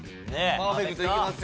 パーフェクトいけますよ。